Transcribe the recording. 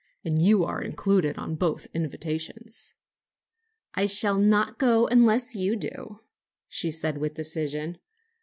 And you are included in both invitations." "I shall not go unless you do," she said with decision.